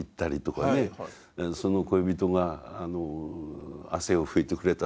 その恋人が汗を拭いてくれたとか。